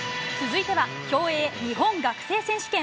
続いては競泳日本学生選手権。